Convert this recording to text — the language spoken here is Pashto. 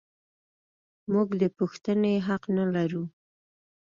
موږ د پوښتنې حق نه لرو.